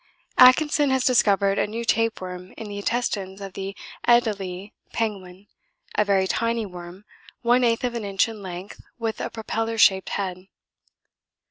Atkinson has discovered a new tapeworm in the intestines of the Adélie penguin a very tiny worm one eighth of an inch in length with a propeller shaped head.